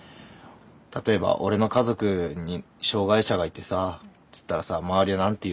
例えば「俺の家族に障害者がいてさ」って言ったらさ周りは何て言うかな。